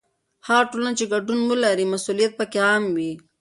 هغه ټولنه چې ګډون ولري، مسؤلیت پکې عام وي.